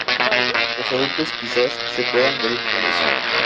Los adultos quizás se puedan reír con eso.